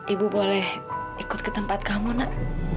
ibu boleh ikut ke tempat kamu nak